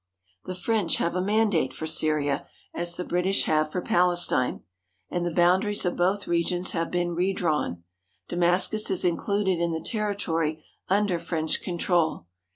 The French have a mandate for Syria, as the British have for Palestine, and the boundaries of both regions have been redrawn. Damascus is included in the ter ritory under French control.